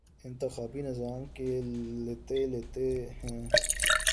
انتخابی نظام کے لتے لیتے ہیں